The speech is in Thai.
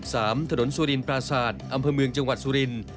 ทางสะดนสุรินปราสาทอำเภอเมืองจังหวัดสุริน